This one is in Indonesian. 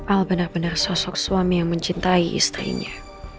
al benar benar sosok suami yang mencintai istrinya